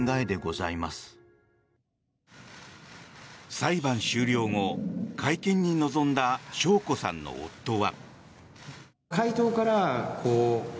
裁判終了後、会見に臨んだ晶子さんの夫は。